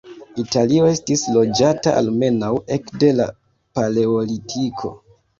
Italio estis loĝata almenaŭ ekde la Paleolitiko.